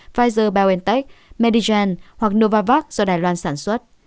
pfizer biontech medigen hoặc novavax do đài loan sản xuất